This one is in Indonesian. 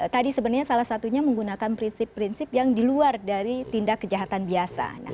tadi sebenarnya salah satunya menggunakan prinsip prinsip yang diluar dari tindak kejahatan biasa